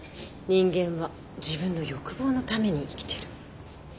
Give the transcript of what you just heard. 人間は自分の欲望のために生きてる。